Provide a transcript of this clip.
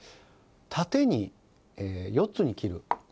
縦に４つに切る。